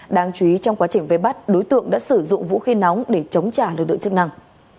đáng chú ý trong quá trình vây bắt đối tượng đã sử dụng vũ khí nóng để chống trả lực lượng chức năng